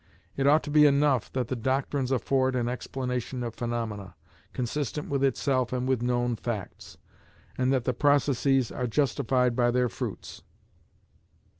It ought to be enough that the doctrines afford an explanation of phaenomena, consistent with itself and with known facts, and that the processes are justified by their fruits.